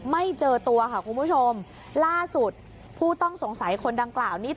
ไม่เจอตัวค่ะคุณผู้ชมล่าสุดผู้ต้องสงสัยคนดังกล่าวนี้